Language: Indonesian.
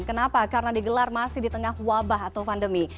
kenapa karena digelar masih di tengah wabah atau pandemi